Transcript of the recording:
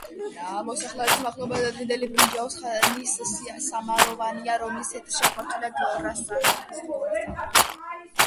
ნამოსახლარის მახლობლად ადრინდელი ბრინჯაოს ხანის სამაროვანია, რომლის ცენტრში აღმართულია გორასამარხი.